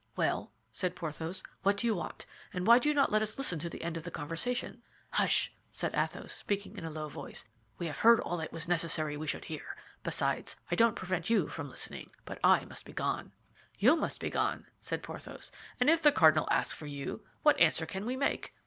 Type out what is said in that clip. "Well," said Porthos, "what do you want, and why do you not let us listen to the end of the conversation?" "Hush!" said Athos, speaking in a low voice. "We have heard all it was necessary we should hear; besides, I don't prevent you from listening, but I must be gone." "You must be gone!" said Porthos; "and if the cardinal asks for you, what answer can we make?"